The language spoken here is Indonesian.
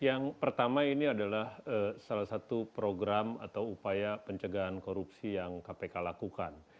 yang pertama ini adalah salah satu program atau upaya pencegahan korupsi yang kpk lakukan